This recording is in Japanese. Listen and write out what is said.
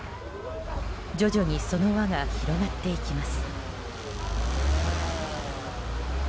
徐々にその輪が広がっていきます。